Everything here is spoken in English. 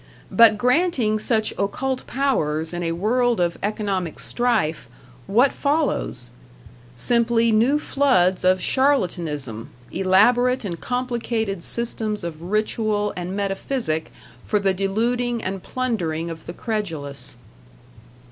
But granting such occult powers in a world of economic strife, what follows? Simply new floods of charlatanism, elaborate and complicated systems of ritual and metaphysic for the deluding and plundering of the credulous.